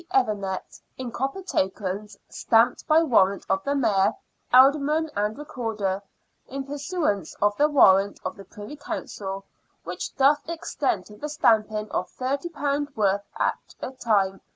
Evenet in copper tokens, stamped by warrant of the Mayor, Aldermen, and Recorder, in pursuance of the warrant of the Privy Council, which doth extend to the stamping of £30 worth at a time, £30."